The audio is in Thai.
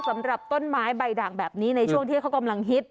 สำหรับต้นไม้ใบด่างแบบนี้ในช่วงที่เขากำลังฮิต